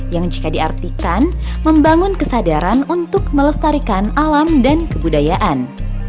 yang jika diartikan membangun kesadaran untuk melestarikan alam dan kebudayaan